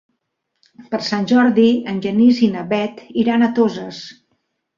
Per Sant Jordi en Genís i na Bet iran a Toses.